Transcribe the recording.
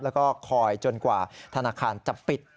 แล้วก็คอยจนกว่าธนาคารจะปิด